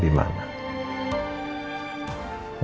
bisa datang ya